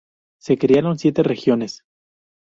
Se crearon siete regiones.